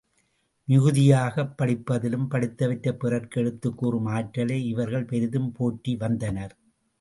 மிகுதியாகப் படிப்பதினும் படித்தவற்றைப் பிறர்க்கு எடுத்துக் கூறும் ஆற்றலை இவர்கள் பெரிதும் போற்றி வந்தனர்.